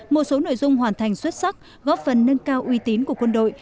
một số nội dung hoàn thành xuất sắc góp phần nâng cao uy tín của quân đội